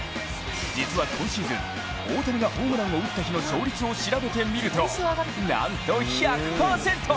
実は今シーズン、大谷がホームランを打った日の勝率を調べてみると、なんと１００％！